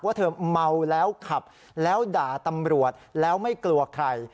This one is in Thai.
ว่าเธอเมาแล้วขับแล้วด่าตำรวจแล้วไม่กลัวใคร